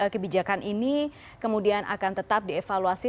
kebijakan ini kemudian akan tetap dievaluasi